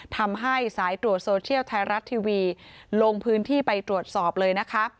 ทำให้สายตรวจโซเชียลไทยรัฐทีวีลงพื้นที่ไปตรวจสอบเลยนะคะ